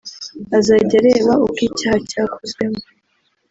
azajya areba uko icyaha cyakozwemo